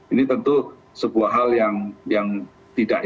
ini tentu sebuah hal yang tidak ingin kita lihat dan kita rasakan